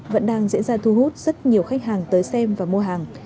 vẫn đang diễn ra thu hút rất nhiều khách hàng tới xem và mua hàng